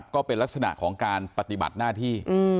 ก็เป็นลักษณะของการปฏิบัติหน้าที่